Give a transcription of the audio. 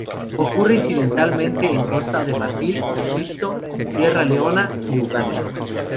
Ocurre incidentalmente en Costa de Marfil, Egipto, Sierra Leona, y Uganda.